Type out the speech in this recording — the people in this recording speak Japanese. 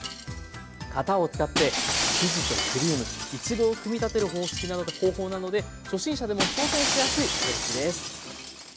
型を使って生地とクリームいちごを組み立てる方法なので初心者でも挑戦しやすいケーキです。